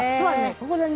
ここでね